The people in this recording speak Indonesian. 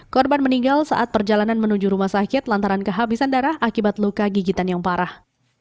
korban meninggal saat perjalanan menuju rumah sakit lantaran kehabisan darah akibat luka gigitan yang parah